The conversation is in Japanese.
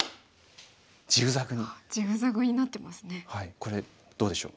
これどうでしょう？